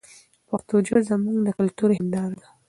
پښتو ژبه زموږ د کلتور هنداره ده.